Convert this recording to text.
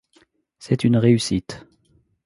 C’est une réussite.